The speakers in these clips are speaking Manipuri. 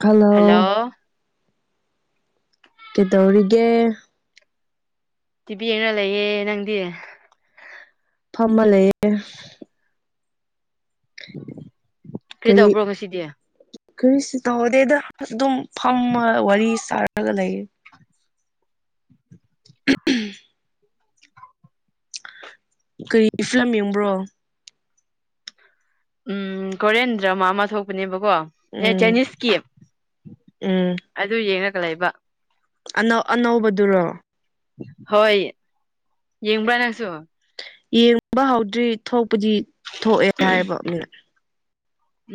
ꯍꯜꯂꯣ ꯀꯩꯗꯧꯔꯤꯒꯦ ꯇꯤꯚꯤ ꯌꯦꯡꯅ ꯂꯩꯌꯦ ꯅꯪꯗꯤ ꯐꯝꯕ ꯂꯩꯌꯦ ꯀꯔꯤꯗꯧꯕ꯭ꯔꯣ ꯉꯁꯤꯗꯤ ꯀꯔꯤꯁꯤ ꯇꯧꯍꯗꯦꯗ ꯑꯗꯨꯝ ꯐꯝꯃ ꯋꯥꯔꯤ ꯁꯥꯔꯒ ꯂꯩꯌꯦ ꯎ ꯀꯔꯤ ꯐꯤꯂꯝ ꯌꯦꯡꯕ꯭ꯔꯣ ꯎꯝ ꯀꯣꯔꯤꯌꯟ ꯗ꯭ꯔꯃꯥ ꯑꯃ ꯊꯣꯛꯄꯅꯦꯕꯀꯣ ꯑꯦ ꯎꯝ ꯆꯦꯅꯤꯁꯀꯤ ꯎꯝ ꯑꯗꯨ ꯌꯦꯡꯉꯒ ꯂꯩꯕ ꯑꯅꯧ ꯑꯅꯧꯕꯗꯨꯔꯣ ꯍꯣꯏ ꯌꯦꯡꯕ꯭ꯔꯥ ꯅꯪꯁꯨ ꯌꯦꯡꯕ ꯍꯧꯗ꯭ꯔꯤ ꯊꯣꯛꯄꯗꯤ ꯊꯣꯛꯑꯦ ꯍꯥꯏꯕ ꯃꯤꯅ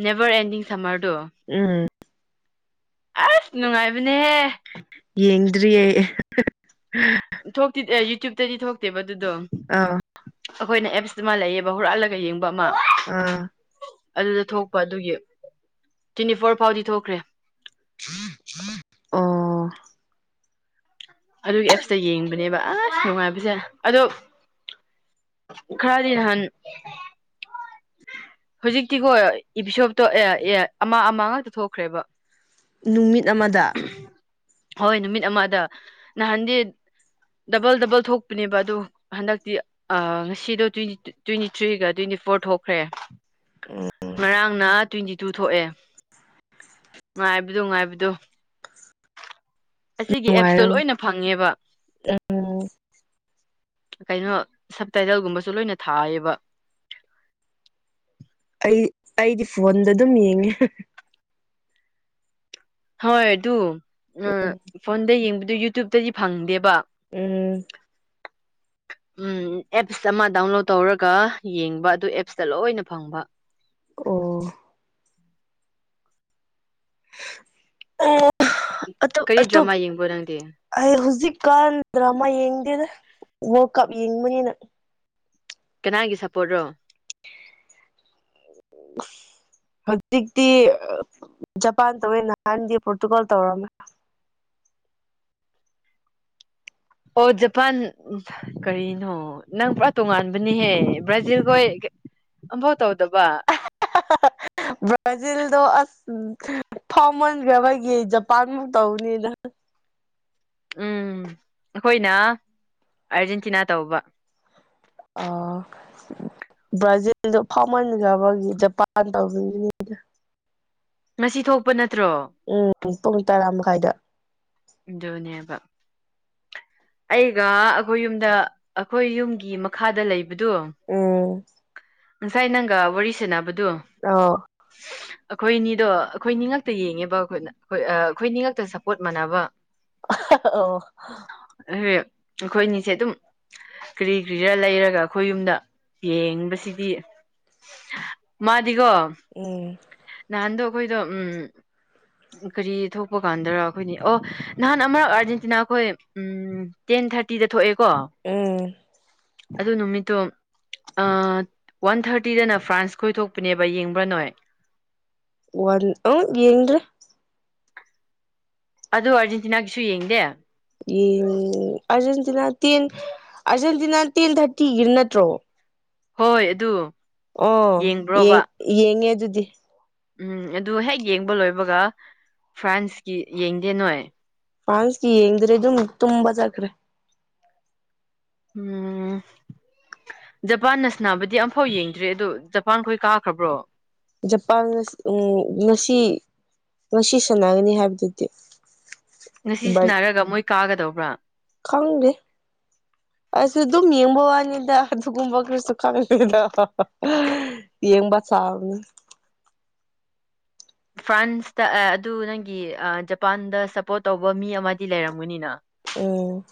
ꯅꯦꯚꯔ ꯑꯦꯟꯗꯤꯡ ꯁꯝꯃꯔꯗꯣ ꯎꯝ ꯑꯁ ꯅꯨꯡꯉꯥꯏꯕꯅꯦꯍꯦ ꯌꯦꯡꯗ꯭ꯔꯤꯌꯦ ꯊꯣꯛꯇꯤ ꯌꯨꯇ꯭ꯌꯨꯕꯇꯗꯤ ꯊꯣꯛꯇꯦꯕ ꯑꯗꯨꯗꯣ ꯑ ꯑꯩꯈꯣꯏꯅ ꯑꯦꯞꯁꯇ ꯃꯥ ꯂꯩꯌꯦꯕ ꯍꯨꯔꯥꯜꯂꯒ ꯌꯦꯡꯕ ꯑꯃ ꯑꯥ ꯑꯗꯨꯗ ꯊꯣꯛꯄ ꯑꯗꯨꯒꯤ ꯇ꯭ꯋꯦꯟꯇꯤ ꯐꯣꯔ ꯐꯥꯎꯗꯤ ꯊꯣꯛꯈ꯭ꯔꯦ ꯑꯣ ꯑꯗꯨꯒꯤ ꯑꯦꯞꯁꯇ ꯌꯦꯡꯕꯅꯦꯕ ꯑꯁ ꯅꯨꯡꯉꯥꯏꯕꯁꯦ ꯑꯗꯣ ꯈꯔꯗꯣ ꯅꯍꯟ ꯍꯧꯖꯤꯛꯇꯤꯒꯣ ꯏꯄꯤꯁꯣꯞꯇꯣ ꯑꯦ ꯑꯦ ꯑꯃ ꯑꯃ ꯉꯥꯛꯇ ꯊꯣꯛꯈ꯭ꯔꯦꯕ ꯅꯨꯃꯤꯠ ꯑꯃꯗ ꯍꯣꯏ ꯅꯨꯃꯤꯠ ꯑꯃꯗ ꯅꯍꯥꯟꯗꯤ ꯗꯕꯜ ꯗꯕꯜ ꯊꯣꯛꯄꯅꯦꯕ ꯑꯗꯣ ꯍꯟꯗꯛꯇꯤ ꯉꯁꯤꯗꯣ ꯇ꯭ꯋꯦꯟꯇꯤ ꯇ꯭ꯋꯦꯟꯇꯤ ꯊ꯭ꯔꯤꯒ ꯇ꯭ꯋꯦꯟꯇꯤ ꯐꯣꯔ ꯊꯣꯛꯈ꯭ꯔꯦ ꯑꯣ ꯉꯔꯥꯡꯅ ꯇ꯭ꯋꯦꯟꯇꯤ ꯇꯨ ꯊꯣꯛꯑꯦ ꯉꯥꯏꯕꯗꯣ ꯉꯥꯏꯕꯗꯣ ꯑꯁꯤꯒꯤ ꯑꯦꯞꯁꯇꯣ ꯅꯨꯡꯉꯥꯏꯔꯝ ꯂꯣꯏꯅ ꯐꯪꯉꯦꯕ ꯎꯝ ꯀꯩꯅꯣ ꯁꯞꯇꯥꯏꯇꯜꯒꯨꯝꯕꯁꯨ ꯂꯣꯏꯅ ꯊꯥꯏꯌꯦꯕ ꯑꯩ ꯑꯩꯗꯤ ꯐꯣꯟꯗ ꯑꯗꯨꯝ ꯌꯦꯡꯉꯤ ꯍꯣꯏ ꯑꯗꯨ ꯐꯣꯟꯗ ꯌꯦꯡꯕꯗꯨ ꯌꯨꯇ꯭ꯌꯨꯕꯇꯗꯤ ꯐꯪꯗꯦꯕ ꯎꯝ ꯎꯝ ꯑꯦꯞꯁ ꯑꯃ ꯗꯥꯎꯟꯂꯣꯗ ꯇꯧꯔꯒ ꯌꯦꯡꯕ ꯑꯗꯨ ꯑꯦꯞꯁꯇ ꯂꯣꯏꯅ ꯐꯪꯕ ꯑꯣ ꯑꯣ ꯀꯔꯤ ꯑ ꯇꯣ ꯗ꯭ꯔꯃꯥ ꯌꯦꯡꯕ꯭ꯔꯣ ꯅꯪꯗꯤ ꯑꯩ ꯍꯧꯖꯤꯛꯀꯥꯟꯗ꯭ꯔꯃꯥ ꯌꯦꯡꯗꯦꯗ ꯋꯥꯔꯜ ꯀꯞ ꯌꯦꯡꯕꯅꯤꯅꯪ ꯀꯅꯥꯒꯤ ꯁꯥꯞꯄꯣꯔꯠ꯭ꯔꯣ ꯎ ꯍꯧꯖꯤꯛꯇꯤ ꯖꯄꯥꯟ ꯇꯧꯋꯦ ꯅꯍꯥꯟꯗꯤ ꯄꯣꯔꯇꯨꯒꯥꯜ ꯇꯧꯔꯝꯃꯦ ꯑꯣ ꯖꯄꯥꯟ ꯀꯔꯤꯅꯣ ꯅꯪ ꯄꯨꯔꯥ ꯇꯣꯉꯥꯟꯕꯅꯤꯍꯦ ꯕ꯭ꯔꯥꯖꯤꯜꯈꯣꯏ ꯣꯠ ꯍꯥꯎꯗꯕ ꯕ꯭ꯔꯥꯖꯤꯜꯗ ꯊꯥꯎꯃꯟꯈ꯭ꯔꯕꯒꯤ ꯖꯄꯥꯟꯃꯨꯛ ꯇꯧꯅꯤꯅ ꯎꯝ ꯑꯩꯈꯣꯏꯅ ꯑꯥꯔꯖꯦꯟꯇꯤꯅꯥ ꯇꯧꯕ ꯑ ꯕ꯭ꯔꯥꯖꯤꯜꯗ ꯐꯥꯎꯃꯟꯈꯕꯒꯤ ꯖꯄꯥꯟ ꯇꯧꯕꯅꯤ ꯉ ꯊꯣꯛꯄ ꯅꯠꯇ꯭ꯔꯣ ꯎꯝ ꯄꯨꯡ ꯇꯔꯥ ꯃꯈꯥꯏꯗ ꯗꯣꯅꯤꯕ ꯑꯩꯒ ꯑꯩꯈꯣꯏ ꯌꯨꯝꯗ ꯑꯩꯈꯣꯏ ꯌꯨꯝꯒꯤ ꯥꯗ ꯂꯩꯕꯗꯣ ꯎꯝ ꯉꯁꯥꯏ ꯅꯪꯒ ꯋꯥꯔꯤ ꯁꯦꯅꯕꯗꯨꯣ ꯑ ꯑꯩꯈꯣꯏꯅꯤꯗꯣ ꯑꯩꯈꯣꯏꯅꯤꯉꯛꯇ ꯌꯦꯡꯉꯦꯕ ꯑꯩꯈꯣꯏꯅ ꯑꯩꯈꯣꯏꯅꯤ ꯉꯉꯛꯇ ꯁꯞꯄꯣꯔꯠ ꯃꯥꯟꯅꯕ ꯑꯣ ꯑꯩꯈꯣꯏꯅꯤꯁꯦ ꯑꯗꯨꯝ ꯀꯔꯤ ꯀꯔꯤꯔ ꯂꯩꯔꯒ ꯑꯩꯈꯣꯏ ꯌꯨꯝꯗ ꯌꯦꯡꯕꯁꯤꯗꯤ ꯃꯥꯗꯤꯒꯣ ꯎꯝ ꯅꯍꯥꯟꯗꯣ ꯑꯩꯈꯣꯏꯗ ꯎꯝ ꯀꯔꯤ ꯊꯣꯛꯄ ꯀꯥꯟꯗꯔ ꯑꯩꯈꯣꯏꯅꯤ ꯑꯣ ꯅꯍꯥꯟ ꯑꯃꯔꯛ ꯑꯥꯔꯖꯦꯟꯇꯤꯅꯥ ꯑꯩꯈꯣꯏ ꯎꯝ ꯇꯦꯟ ꯊꯥꯔꯇꯤꯗ ꯊꯣꯛꯑꯦꯀꯣ ꯎꯝ ꯑꯗꯨ ꯅꯨꯃꯤꯠꯇꯣ ꯋꯥꯟ ꯊꯥꯔꯇꯤꯗꯅ ꯐ꯭ꯔꯥꯟꯁ ꯈꯣꯏꯊꯣꯛꯄꯅꯦꯕ ꯌꯦꯡꯕ꯭ꯔꯥ ꯅꯣꯏ ꯋꯥꯟ ꯑ ꯌꯦꯟꯗ꯭ꯔꯤ ꯑꯗꯨ ꯑꯥꯔꯖꯦꯟꯇꯤꯅꯥꯒꯤꯁꯨ ꯌꯦꯡꯗꯦ ꯑꯥꯔꯖꯦꯟꯇꯤꯅꯥ ꯇꯦꯟ ꯑꯥꯔꯖꯦꯟꯇꯤꯅꯥ ꯇꯦꯟ ꯊꯥꯔꯇꯤꯒꯤꯔ ꯅꯠꯇ꯭ꯔꯣ ꯍꯣꯏ ꯑꯗꯨ ꯑꯣ ꯌꯦꯡꯕ꯭ꯔꯣꯕ ꯌꯦꯡ ꯌꯦꯡꯉꯦ ꯑꯗꯨꯗꯤ ꯎꯝ ꯑꯗꯨ ꯍꯦꯛ ꯌꯦꯡꯕ ꯂꯣꯏꯕꯒ ꯐ꯭ꯔꯥꯟꯁꯀꯤ ꯌꯦꯡꯗꯦ ꯅꯣꯏ ꯐꯥꯟꯁꯀꯤ ꯌꯦꯡꯗ꯭ꯔꯦ ꯑꯗꯨꯝ ꯇꯨꯝꯕ ꯆꯠꯈ꯭ꯔꯦ ꯎꯝ ꯖꯄꯥꯟꯅꯁꯅꯥꯕꯨꯗꯤ ꯑꯝꯐꯥꯎ ꯌꯦꯡꯗ꯭ꯔꯦ ꯑꯗꯣ ꯖꯄꯥꯟꯈꯣꯏ ꯀꯥꯈ꯭ꯔꯕ꯭ꯔꯣ ꯖꯄꯥꯟ ꯎꯝ ꯉꯁꯤ ꯉꯁꯤ ꯁꯥꯟꯅꯒꯅꯤ ꯍꯥꯏꯕꯗꯨꯗꯤ ꯉꯁꯤꯁꯤꯅꯔꯒ ꯃꯣꯏ ꯀꯥꯒꯗꯧꯕ꯭ꯔꯥ ꯈꯪꯗꯦ ꯑꯁ ꯑꯗꯨꯝ ꯌꯦꯡꯕ ꯋꯥꯅꯤꯗ ꯑꯗꯨꯒꯨꯝꯕ ꯈꯔꯁꯨ ꯈꯪꯉꯦꯗ ꯌꯦꯡꯕ ꯆꯥꯎꯅꯤ ꯐ꯭ꯔꯥꯟꯁꯇ ꯑꯗꯨ ꯅꯪꯒꯤ ꯖꯄꯥꯟꯗ ꯁꯞꯄꯣꯔꯠ ꯇꯧꯕ ꯃꯤ ꯑꯃꯗꯤ ꯂꯩꯔꯝꯒꯅꯤꯅ ꯎꯝ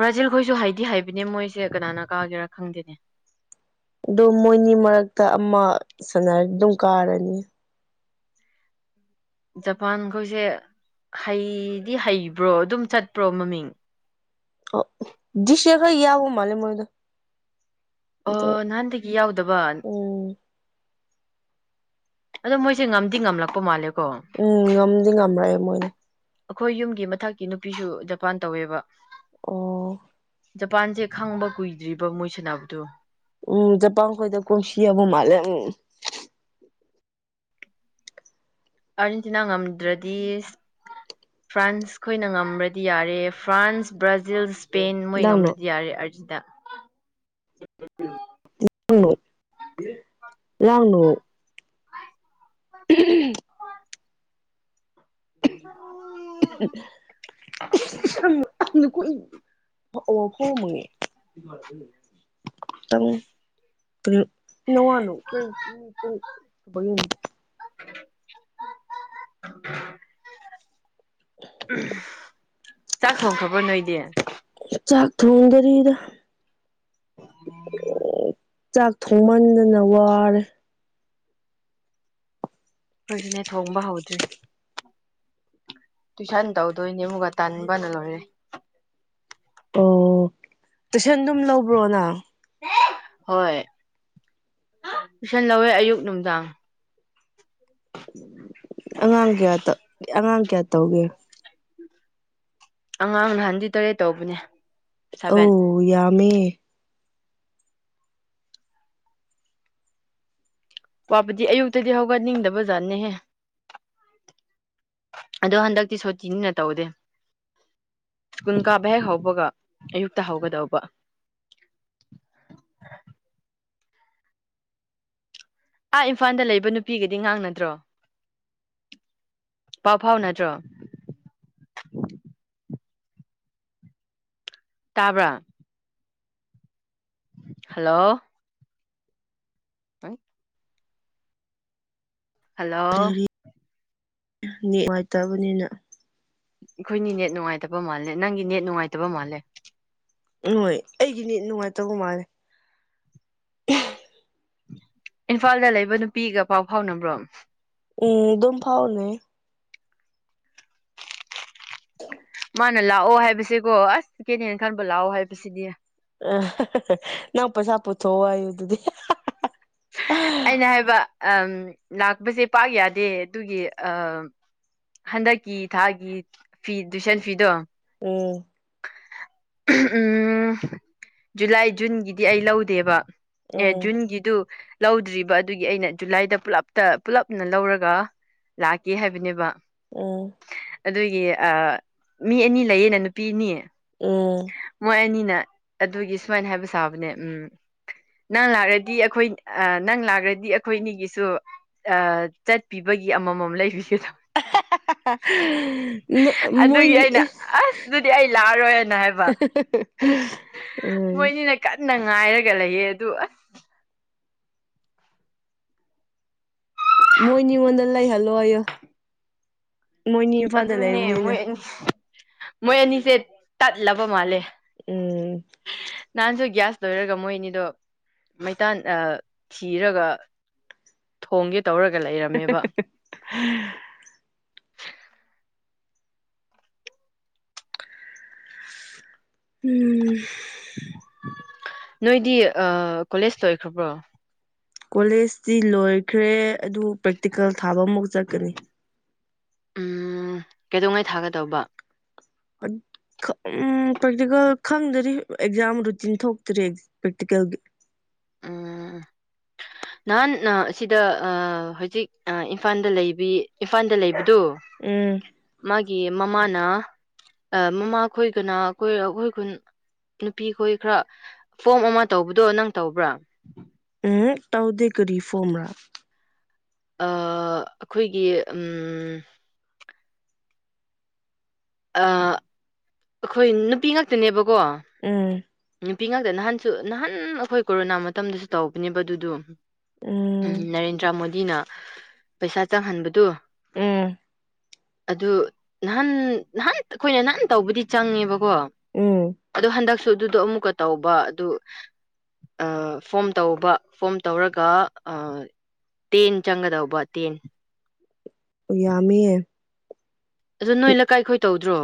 ꯕ꯭ꯔꯥꯖꯤꯜ ꯈꯣꯏꯁꯨ ꯍꯥꯏꯗꯤ ꯍꯥꯏꯕꯅꯦ ꯃꯣꯏꯁꯦ ꯀꯅꯥꯅ ꯀꯥꯒꯦꯔꯥ ꯈꯪꯗꯦꯅꯦ ꯑꯗꯨ ꯃꯣꯏꯅꯤ ꯃꯔꯛꯇ ꯑꯃ ꯁꯥꯟꯅꯔ ꯑꯗꯨꯝ ꯀꯥꯔꯅꯤ ꯖꯄꯥꯟꯈꯣꯏꯁꯦ ꯍꯩꯗꯤ ꯍꯩꯕ꯭ꯔꯣ ꯑꯗꯨꯝ ꯆꯠꯄ꯭ꯔꯣ ꯃꯃꯤꯡ ꯗꯤꯁ ꯌꯔꯒ ꯌꯎꯕ ꯃꯥꯂꯦ ꯃꯣꯏꯗ ꯑ ꯅꯍꯥꯟꯗꯒꯤ ꯌꯥꯎꯗꯕ ꯎꯝ ꯑꯗꯣ ꯃꯣꯏꯁꯦ ꯉꯝꯗꯤ ꯉꯝꯂꯛꯄ ꯃꯥꯜꯂꯦꯀꯣ ꯎꯝ ꯉꯝꯗꯤ ꯉꯝꯔꯦ ꯃꯣꯏꯅ ꯑꯩꯈꯣꯏ ꯌꯨꯝꯒꯤ ꯃꯊꯛꯀꯤ ꯅꯨꯄꯤꯁꯨ ꯖꯄꯥꯟ ꯇꯧꯋꯦꯕ ꯑꯣ ꯖꯄꯥꯟꯁꯦ ꯈꯪꯕ ꯀꯨꯏꯗ꯭ꯔꯤꯕ ꯃꯣꯏ ꯁꯥꯟꯅꯕꯗꯣ ꯎꯝ ꯆꯖꯄꯥꯟꯈꯣꯏꯗ ꯀꯣꯡꯁꯤ ꯌꯥꯕ ꯃꯥꯜꯂꯦ ꯎꯝ ꯑꯥꯔꯖꯦꯟꯇꯤꯅꯥ ꯉꯝꯗ꯭ꯔꯗꯤ ꯐ꯭ꯔꯥꯟꯁ ꯈꯣꯏꯅ ꯉꯃ꯭ꯔꯗꯤ ꯌꯥꯔꯦ ꯐ꯭ꯔꯥꯟꯁ ꯕ꯭ꯔꯥꯖꯤꯜ ꯁ꯭ꯄꯦꯟ ꯃꯣꯏ ꯂꯥꯡꯅꯣ ꯉꯝꯂꯗꯤ ꯌꯔꯦ ꯑꯔꯖꯦꯟꯇꯤꯅ [inaudible] ꯂꯥꯡꯅꯣ [unintelligible] ꯎꯝ [inaudible] [unintelligible] [unintelligible] ꯆꯥꯛ ꯊꯣꯡꯈ꯭ꯔꯕ꯭ꯔ ꯅꯣꯏꯗꯤ ꯆꯥꯛ ꯊꯣꯡꯗꯔꯤꯗ ꯆꯥꯛ ꯊꯣꯡꯃꯟꯗꯅ ꯋꯔꯦ ꯑꯩꯈꯣꯏꯁꯨꯅꯦ ꯊꯣꯡꯕ ꯍꯧꯗ꯭ꯔꯤ ꯇꯨꯏꯁꯟ ꯇꯧꯗꯣꯏꯅꯦ ꯑꯃꯨꯒ ꯇꯟꯕꯅ ꯂꯣꯏꯔꯦ ꯑꯣ ꯇꯨꯏꯁꯟ ꯑꯗꯨꯝ ꯂꯧꯕ꯭ꯔꯣ ꯅꯪ ꯍꯣꯏ ꯇꯨꯏꯁꯟ ꯂꯧꯋꯦ ꯑꯌꯨꯛ ꯅꯨꯡꯗꯥꯡ ꯑꯉꯥꯡ ꯀꯌꯥ ꯑꯉꯥꯡ ꯀꯌꯥ ꯇꯧꯒꯦ ꯑꯉꯥꯡ ꯅꯍꯟꯗꯤ ꯇꯔꯦꯠ ꯇꯧꯕꯅꯦ ꯁꯚꯦꯟ ꯑꯧ ꯌꯥꯝꯃꯦ ꯋꯥꯕꯗꯤ ꯑꯌꯨꯛꯇꯗꯤ ꯍꯧꯒꯅꯤꯡꯗꯕ ꯖꯥꯠꯅꯤꯍꯦ ꯑꯗꯣ ꯍꯟꯗꯛꯇꯤ ꯁꯣꯇꯤ ꯅꯤꯅ ꯇꯧꯗꯦ ꯁꯀꯨꯜ ꯀꯥꯕ ꯍꯦꯛ ꯍꯧꯕꯒ ꯑꯌꯨꯛꯇ ꯍꯧꯒꯗꯧꯕ ꯑꯥ ꯏꯝꯐꯜꯗ ꯂꯩꯕ ꯅꯨꯄꯤꯒꯗꯤ ꯉꯡꯅꯗ꯭ꯔꯣ ꯄꯥꯎ ꯐꯎꯅꯗ꯭ꯔꯣ ꯇꯕ꯭ꯔꯥ ꯍꯜꯂꯣ [inaudible] ꯍꯜꯂꯣ [inaudible] ꯅꯦꯠ ꯅꯨꯉꯥꯏꯇꯕꯅꯤꯅ ꯑꯩꯈꯣꯏꯅꯤ ꯅꯦꯠ ꯅꯨꯡꯉꯥꯏꯇꯕ ꯃꯥꯜꯂꯦ ꯅꯪꯒꯤ ꯅꯦꯠ ꯅꯨꯡꯉꯥꯏꯇꯕ ꯃꯥꯜꯂꯦ ꯅꯣꯏ ꯑꯩꯒꯤ ꯅꯦꯠ ꯅꯨꯡꯉꯥꯏꯇꯕ ꯃꯥꯜꯂꯦ ꯏꯝꯐꯥꯜꯗ ꯂꯩꯕ ꯅꯨꯄꯤꯒ ꯄꯥꯎ ꯐꯥꯎꯅꯕ꯭ꯔꯣ ꯎꯝ ꯑꯗꯨꯝ ꯐꯥꯎꯅꯩ [inaudible] ꯃꯅ ꯂꯥꯛꯑꯣ ꯍꯥꯏꯕꯁꯦꯀꯣ ꯑꯁ [unintelligible] ꯈꯟꯕ ꯂꯥꯛꯑꯣ ꯍꯥꯏꯕꯁꯤꯗꯤ ꯑ ꯅꯪ ꯄꯩꯁꯥ ꯄꯨꯊꯣꯛꯑꯣ ꯍꯥꯏꯨ ꯑꯗꯨꯗꯤ ꯑꯩꯅ ꯍꯥꯏꯕ ꯑꯪ ꯂꯥꯛꯄꯁꯦ ꯄꯥꯛ ꯌꯥꯗꯦ ꯑꯗꯨꯒꯤ ꯑꯪ ꯍꯟꯗꯛꯀꯤ ꯊꯒꯤ ꯐꯤ ꯇꯨꯏꯁꯟ ꯐꯤꯗꯣ ꯎꯝ ꯎꯝ ꯖꯨꯂꯥꯏ ꯖꯨꯟꯒꯤꯗꯤ ꯑꯩ ꯂꯧꯗꯦꯕ ꯑꯦ ꯎꯝ ꯖꯨꯟꯒꯤꯗꯨ ꯂꯧꯗ꯭ꯔꯤꯕ ꯑꯗꯨꯒꯤ ꯑꯩꯅ ꯖꯨꯂꯥꯏꯗ ꯄꯨꯂꯞꯇ ꯄꯨꯜꯂꯞꯅ ꯂꯧꯔꯒ ꯂꯥꯛꯀꯦ ꯍꯥꯏꯕꯅꯦꯕ ꯎꯝ ꯑꯗꯨꯒꯤ ꯃꯤ ꯑꯅꯤ ꯂꯩꯌꯦꯅ ꯅꯨꯄꯤ ꯑꯅꯤ ꯎꯝ ꯃꯣꯏ ꯑꯅꯤꯅ ꯑꯗꯨꯒꯤ ꯁꯨꯃꯥꯏꯅ ꯍꯥꯏꯕ ꯆꯥꯕꯅꯦ ꯎꯝ ꯅꯪ ꯂꯥꯛꯔꯗꯤ ꯑꯩꯈꯣꯏ ꯑ ꯅꯪ ꯂꯥꯛ꯭ꯔꯗꯤ ꯑꯩꯈꯣꯏ ꯑꯅꯤꯒꯤꯁꯨ ꯑ ꯆꯠꯄꯤꯕꯒꯤ ꯑꯃꯃꯝ ꯂꯩꯕꯤꯒꯗꯕ ꯎꯝ ꯑꯗꯨꯒꯤ ꯃꯣꯏꯅꯤ ꯑꯩꯅ ꯑꯁ ꯑꯗꯨꯗꯤ ꯑꯩ ꯂꯥꯛꯑꯔꯣꯏꯅ ꯍꯥꯏꯕ [unintelligible] ꯎꯝ ꯃꯣꯏꯅꯤꯅ ꯀꯟꯅ ꯉꯥꯏꯔꯒ ꯂꯩꯌꯦ ꯑꯗꯨ ꯑꯁ ꯃꯣꯏ ꯃꯤꯉꯣꯟꯗ ꯂꯩꯍꯜꯂꯣ ꯑꯩꯌꯣ ꯑꯗꯨꯅꯦ ꯂꯩꯕꯅꯤꯅ ꯃꯣꯏ ꯑꯅꯤ ꯃꯣꯏ ꯑꯅꯤꯁꯦ ꯇꯠꯂꯕ ꯃꯥꯜꯂꯦ ꯎꯝ ꯅꯥꯟꯁꯨꯣ ꯁ ꯂꯣꯏꯔꯒ ꯃꯣꯏ ꯑꯅꯤꯗꯣ ꯃꯩꯇꯥꯟ ꯊꯤꯔꯒ ꯊꯣꯡꯒꯦ ꯇꯧꯔꯒ ꯂꯩꯔꯦ [unintelligible] ꯎꯝ ꯅꯣꯏꯗꯤ ꯀꯣꯂꯦꯖꯇ ꯑꯣꯏꯈ꯭ꯔꯕ꯭ꯔꯣ ꯀꯣꯂꯦꯖꯇꯤ ꯂꯣꯏꯈ꯭ꯔꯦ ꯑꯗꯨ ꯄ꯭ꯔꯦꯛꯇꯤꯀꯦꯜ ꯊꯥꯕ ꯑꯃꯨꯛ ꯆꯠꯀꯅꯤ ꯎꯝ ꯀꯩꯗꯧꯉꯩ ꯊꯥꯒꯗꯧꯕ ꯎꯝ ꯄ꯭ꯔꯦꯛꯇꯤꯀꯦꯜ ꯈꯪꯗꯔꯤ ꯑꯦꯛꯖꯥꯝ ꯔꯨꯇꯤꯟ ꯊꯣꯛꯇꯔꯤ ꯄꯦꯛꯇꯤꯀꯦꯜ ꯎꯝ [inaudible] ꯅꯍꯥꯟ ꯑꯁꯤꯗ ꯍꯧꯖꯤꯛ ꯏꯝꯐꯥꯜꯗ ꯂꯩꯕꯤ ꯏꯝꯐꯥꯜꯗ ꯂꯩꯕꯗꯣ ꯎꯝ ꯃꯥꯒꯤ ꯃꯃꯥꯅ ꯃꯃꯥ ꯈꯣꯏꯒꯅ ꯑꯩꯈꯣꯏ ꯑꯩꯈꯣꯏ ꯀꯨꯟ ꯅꯨꯄꯤ ꯈꯣꯏ ꯈꯔ ꯐꯣꯝ ꯑꯃ ꯇꯧꯕꯗꯣ ꯅꯪ ꯇꯧꯕ꯭ꯔꯥ ꯎꯝ ꯇꯥꯎꯩ ꯀꯔꯤ ꯐꯣꯝ꯭ꯔꯥ ꯑꯩꯈꯣꯏꯒꯤ ꯑ ꯑꯩꯈꯣꯏ ꯅꯨꯄꯤ ꯉꯛꯇꯅꯦꯕꯀꯣ ꯎꯝ ꯅꯨꯄꯤ ꯉꯥꯛꯇ ꯅꯍꯥꯟꯁꯨ ꯅꯍꯥꯟ ꯑꯩꯈꯣꯏ ꯀꯣꯔꯣꯅꯥ ꯃꯇꯝꯗꯁꯨ ꯇꯧꯕꯅꯦꯕ ꯑꯗꯨꯗ ꯎꯝ ꯎꯝ ꯅꯔꯦꯟꯗ꯭ꯔ ꯃꯣꯗꯤꯅ ꯄꯩꯁꯥ ꯆꯪꯍꯟꯕꯗꯨ ꯎꯝ ꯑꯗꯨ ꯅꯍꯥꯟ ꯅꯍꯥꯟ ꯑꯩꯈꯣꯏꯅ ꯅꯍꯥꯟ ꯇꯧꯕꯗꯤ ꯆꯪꯉꯦꯕꯀꯣ ꯎꯝ ꯑꯗꯨꯣ ꯍꯟꯗꯛꯁꯨ ꯑꯗꯨꯗꯣ ꯑꯃꯨꯛꯀ ꯇꯧꯕ ꯑꯗꯨ ꯐꯣꯝ ꯇꯧꯕ ꯐꯣꯝ ꯇꯧꯔꯒ ꯇꯦꯟ ꯆꯪꯒꯗꯧꯕ ꯇꯦꯟ ꯌꯥꯝꯃꯤꯌꯦ ꯑꯗꯣ ꯅꯣꯏꯅꯀꯥꯏ ꯈꯈꯣꯏ ꯇꯧꯗ꯭ꯔꯣ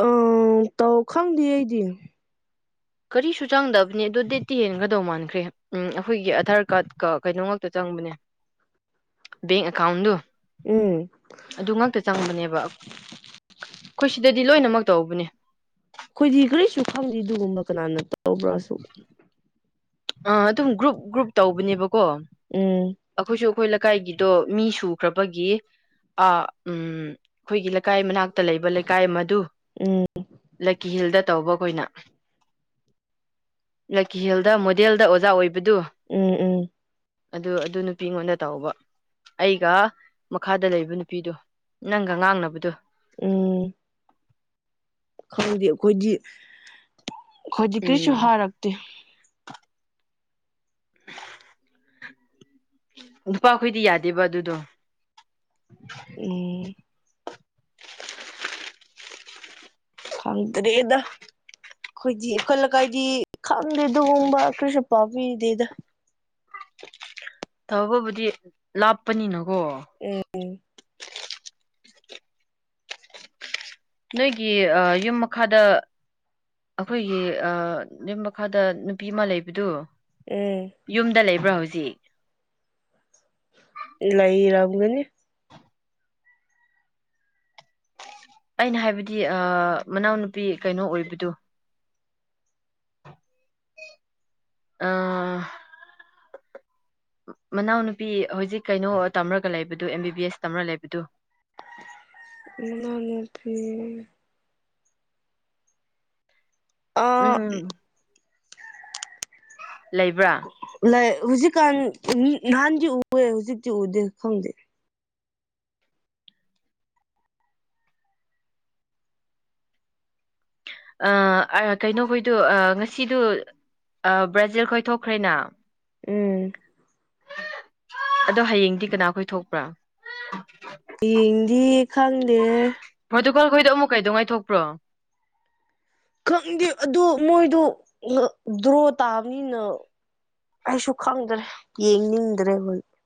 ꯑ ꯇꯧ ꯈꯪꯗꯦ ꯑꯩꯗꯤ ꯀꯔꯤꯁꯨ ꯆꯪꯗꯕꯅꯦ ꯑꯗꯣ ꯗꯦꯠꯇꯤ ꯍꯦꯟꯅꯒꯗꯧ ꯃꯥꯟꯈ꯭ꯔꯦ ꯎꯝ ꯑꯩꯈꯣꯏꯒꯤ ꯑꯙꯥꯔ ꯀꯥꯔꯗꯀ ꯀꯩꯅꯣ ꯉꯥꯛꯇ ꯆꯪꯕꯅꯦ [inaudible] ꯕꯦꯡ ꯑꯦꯀꯥꯎꯟꯗꯣ ꯑꯗꯨ ꯉꯥꯛꯇ ꯆꯪꯕꯅꯦꯕ ꯑꯩꯈꯣꯏ ꯁꯤꯗꯗꯤ ꯂꯣꯏꯅꯃꯛ ꯇꯧꯕꯅꯦ ꯑꯩꯈꯣꯏꯗꯤ ꯀꯔꯤꯁꯨ ꯈꯪꯗꯦ ꯑꯗꯨꯒꯨꯝꯕ ꯀꯅꯥꯅ ꯇꯧꯕ꯭ꯔꯁꯨ ꯑ ꯑꯗꯨꯝ ꯒ꯭ꯔꯨꯞ ꯒ꯭ꯔꯨꯞ ꯇꯧꯕꯅꯦꯕꯀꯣ ꯎꯝ ꯑꯩꯈꯣꯏꯁꯨ ꯑꯩꯈꯣꯏ ꯂꯩꯀꯥꯏꯒꯤꯗꯣ ꯃꯤ ꯁꯨꯈ꯭ꯔꯕꯒꯤ ꯑ ꯎꯝ ꯑꯩꯈꯣꯏꯒꯤ ꯂꯩꯀꯥꯏ ꯃꯅꯥꯛ ꯇ ꯂꯩꯕ ꯂꯩꯀꯥꯏ ꯑꯃ ꯑꯗꯨ ꯎꯝ ꯂꯀꯤ ꯍꯤꯜꯗ ꯇꯧꯕ ꯑꯩꯈꯣꯏꯅ ꯂꯀꯤꯍꯦꯜꯗ ꯃꯣꯗꯦꯜꯗ ꯑꯣꯖꯥ ꯑꯣꯏꯕꯗꯨ ꯎꯝ ꯎꯝ ꯑꯗꯨ ꯑꯗꯨ ꯅꯨꯄꯤ ꯑꯩꯉꯣꯟꯗ ꯇꯧꯕ ꯑꯩꯒ ꯃꯈꯥꯗ ꯂꯩꯕ ꯅꯨꯄꯤꯗꯣ ꯅꯪꯒ ꯉꯥꯡꯅꯕꯗꯣ ꯎꯝ ꯈꯪꯗꯦ ꯑꯩꯈꯣꯏꯗꯤ ꯑꯩꯈꯣꯏꯗꯤ ꯀꯔꯤꯁꯨ ꯎꯝ ꯍꯥꯔꯛꯇꯦ ꯅꯨꯄꯥꯈꯣꯏꯗꯤ ꯌꯥꯗꯦꯕ ꯑꯗꯨꯗꯣ ꯎꯝ ꯈꯪꯗꯔꯦꯗ ꯑꯩꯈꯣꯏꯗꯤ ꯑꯩꯈꯠ ꯂꯩꯀꯥꯏꯗꯤ ꯈꯪꯗꯦ ꯑꯗꯨꯒꯨꯝꯕ ꯀꯩꯁꯨ ꯄꯥꯕꯤꯗꯦꯗ ꯊꯕꯕꯨꯗꯤ ꯂꯥꯞꯄꯅꯤꯅꯀꯣ ꯎ ꯅꯣꯏꯒꯤ ꯌꯨꯝ ꯃꯈꯥꯗ ꯑꯩꯈꯣꯏꯒꯤ ꯌꯨꯝ ꯃꯈꯥꯗ ꯅꯨꯄꯤ ꯑꯃ ꯂꯩꯕꯗꯨ ꯎꯝ ꯌꯨꯝꯗ ꯂꯩꯕ꯭ꯔꯥ ꯍꯧꯖꯤꯛ ꯂꯩꯔꯝꯒꯅꯤ ꯑꯩꯅ ꯍꯥꯏꯕꯗꯤ ꯃꯅꯥꯎꯅꯨꯄꯤ ꯀꯩꯅꯣ ꯑꯣꯏꯕꯗ ꯑ ꯃꯅꯥꯎꯅꯨꯄꯤ ꯍꯧꯖꯤꯛ ꯀꯩꯅꯣ ꯇꯝꯔꯒ ꯂꯩꯕꯗꯨ ꯑꯦꯝ ꯕꯤ ꯕꯤ ꯑꯦꯁ ꯇꯝꯔꯒ ꯂꯩꯕꯗꯨ ꯃꯅ ꯊ ꯑꯥ ꯎꯝ ꯂꯩꯕ꯭ꯔꯥ ꯂ ꯍꯧꯖꯤꯛꯀꯥꯟ ꯅꯍꯥꯟꯗꯤ ꯎꯑꯦ ꯍꯧꯖꯤꯛꯇꯤ ꯎꯗꯦ ꯈꯪꯗꯦ ꯑ ꯀꯩꯅꯣ ꯍꯣꯏꯗꯨ ꯉꯁꯤꯗꯨ ꯕ꯭ꯔꯥꯖꯤꯜ ꯈꯣꯏ ꯊꯣꯛꯣꯛꯈ꯭ꯔꯦꯅ ꯎꯝ ꯑꯗꯣ ꯍꯌꯦꯡꯗꯤ ꯀꯅꯥꯈꯣꯏ ꯊꯣꯛꯄ꯭ꯔꯥ ꯌꯦꯡꯗꯤ ꯈꯪꯗꯦ ꯄ꯭ꯔꯣꯇꯀꯜꯈꯣꯏꯗ ꯑꯃꯨꯛꯀꯩꯗꯧ ꯉꯥꯏꯊꯄ꯭ꯔꯣ ꯈꯪꯗꯦ ꯑꯗꯨ ꯃꯣꯏꯗꯣ ꯗ꯭ꯔꯣ ꯇꯥꯕꯅꯤꯅ ꯑꯩꯁꯨ ꯈꯪꯗ꯭ꯔꯦ ꯌꯦꯡꯅꯤꯡꯗ꯭ꯔꯦ ꯍ